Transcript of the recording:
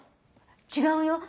違うよ